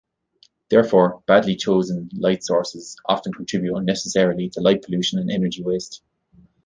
Therefore, badly chosen light sources often contribute unnecessarily to light pollution and energy waste.